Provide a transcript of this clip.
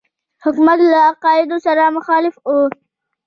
حکومت له عقایدو سره مخالف وو.